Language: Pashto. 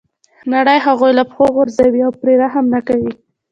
نړۍ هغوی له پښو غورځوي او پرې رحم نه کوي.